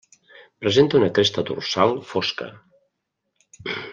Presenta una cresta dorsal fosca.